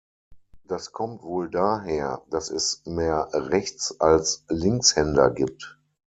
Das kommt wohl daher, dass es mehr Rechts- als Linkshänder gibt.